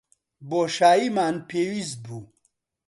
بۆشاییمان پێویست بوو.